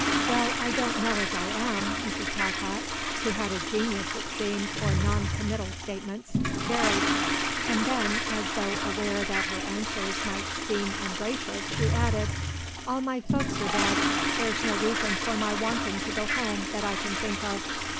"Well, I don't know as I am," Mrs. Talcott, who had a genius it seemed for non committal statements, varied; and then, as though aware that her answers might seem ungracious, she added: "All my folks are dead. There's no reason for my wanting to go home that I can think of."